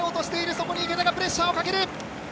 そこに池田がプレッシャーをかける。